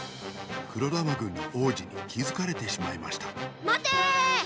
黒玉軍の王子にきづかれてしまいましたまてーー！